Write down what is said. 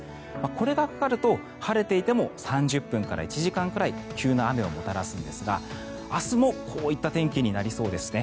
これがかかると、晴れていても３０分から１時間くらい急な雨をもたらすんですが明日もこういった天気になりそうですね。